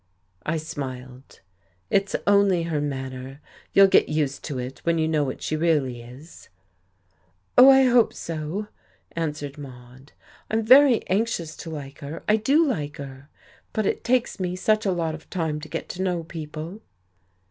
I smiled. "It's only her manner. You'll get used to that, when you know what she really is." "Oh, I hope so," answered Maude. "I'm very anxious to like her I do like her. But it takes me such a lot of time to get to know people."